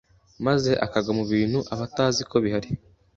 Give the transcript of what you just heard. maze akagwa ku bintu aba atazi ko bihari